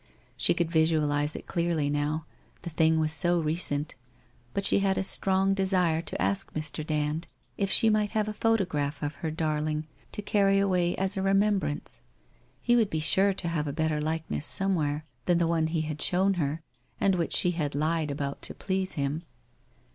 She could vi ualize it clearly now, the thing was BO recent, but sin had a strong desire to ask Mr. Dand if she might have B photograph of her darling to carry away as a remembrance. He would be sure to have a better Likeness somewhere than the one he had shown her, and which she ha<l Lied about to please him?